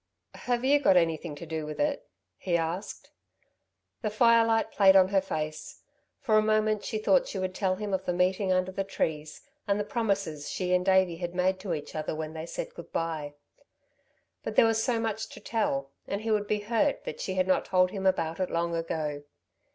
"Have you got anything to do with it?" he asked. The firelight played on her face. For a moment she thought she would tell him of the meeting under the trees and the promises she and Davey had made to each other when they said good bye. But there was so much to tell, and he would be hurt that she had not told him about it long ago.